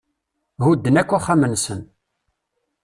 Hudden akk axxam-nsen.